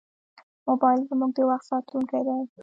موبایل زموږ د وخت ساتونکی دی.